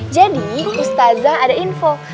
jadi ustazah ada info